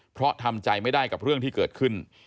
เพราะทำใจไม่ได้กับเรื่องที่เกิดขึ้น